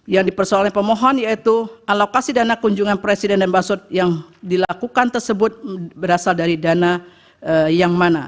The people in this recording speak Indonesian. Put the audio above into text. yang dipersoalkan pemohon yaitu alokasi dana kunjungan presiden dan bassrod yang dilakukan tersebut berasal dari dana yang mana